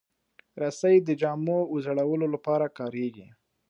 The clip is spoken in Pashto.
رسۍ د جامو وځړولو لپاره کارېږي.